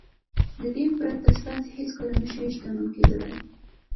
له دې پرته تاسې هېڅکله نه شئ شتمن کېدلای.